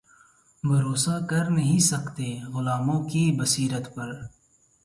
بھروسا کر نہیں سکتے غلاموں کی بصیرت پر